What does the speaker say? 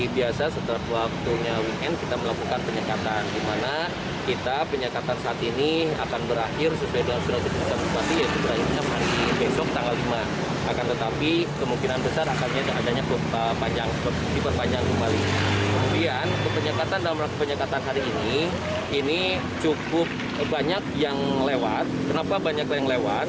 banyak yang lewat kenapa banyak yang lewat